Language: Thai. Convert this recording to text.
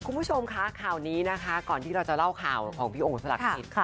คุณผู้ชมคะข่าวนี้นะคะก่อนที่เราจะเล่าข่าวของพี่โอ่งสลักจิต